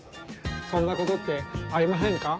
そんなことってありませんか？